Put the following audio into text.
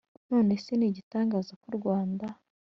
none se ni igitangaza ko u rwanda,